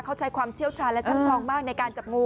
เขาใช้ความเชี่ยวชาญและช่ำชองมากในการจับงู